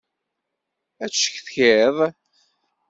Ad d-ccetkiḍ!?